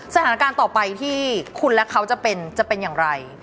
สถานการณ์ต่อไปที่คุณและเขาจะเป็นจะเป็นอย่างไร